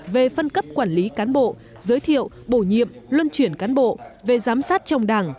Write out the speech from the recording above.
về phân cấp quản lý cán bộ giới thiệu bổ nhiệm luân chuyển cán bộ về giám sát trong đảng